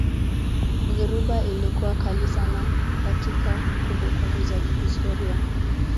dhoruba ilikuwa kali sana katika kumbukumbu za kihistoria